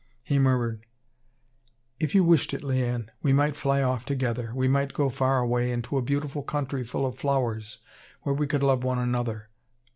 He murmured: "If you wished it, Liane, we might fly off together, we might go far away, into a beautiful country full of flowers where we could love one another.